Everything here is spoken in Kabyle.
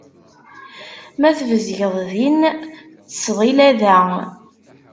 Ma tbezgeḍ din, ttesḍila da.